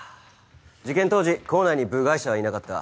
事件当時校内に部外者はいなかった。